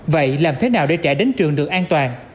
vậy làm thế nào để trẻ đến trường được an toàn